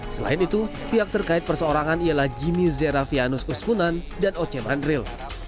selain itu pihak terkait perseorangan ialah jimmy zerafianus uskunan dan oce bandril